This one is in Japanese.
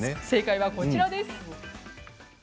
正解はこちらです。